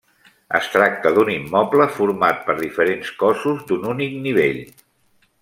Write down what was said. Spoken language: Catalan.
Es tracta d'un immoble format per diferents cossos d'un únic nivell.